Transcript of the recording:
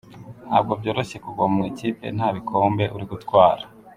Ntabwo byoroshye kuguma mu ikipe nta bikombe uri gutwara.